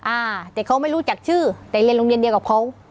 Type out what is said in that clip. อ่าแต่เขาไม่รู้จักชื่อแต่เรียนโรงเรียนเดียวกับเขา